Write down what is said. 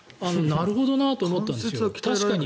なるほどなと思ったんだよね。